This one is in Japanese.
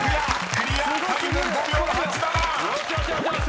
クリアタイム５秒８７］